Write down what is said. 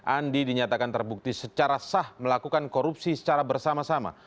andi dinyatakan terbukti secara sah melakukan korupsi secara bersama sama